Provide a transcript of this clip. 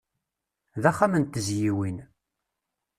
D axxam n tezyiwin.